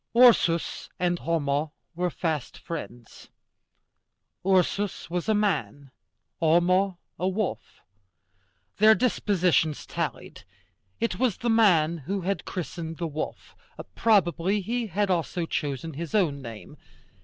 Ursus and Homo were fast friends. Ursus was a man, Homo a wolf. Their dispositions tallied. It was the man who had christened the wolf: probably he had also chosen his own name.